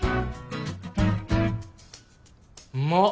うまっ。